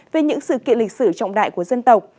về những sự kiện lịch sử trọng đại của dân tộc